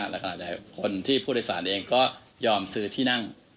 แล้วก็อาจจะคนที่ผู้โดยสารเองก็ยอมซื้อที่นั่ง